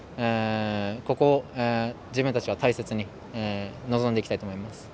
ここを自分たちは大切に臨んでいきたいと思います。